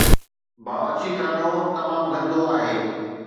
باورچی خانه تمام گندو آهي